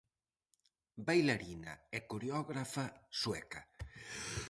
Bailarina e coreógrafa sueca.